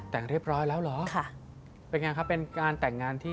แต่งเรียบร้อยแล้วเหรอค่ะเป็นไงครับเป็นการแต่งงานที่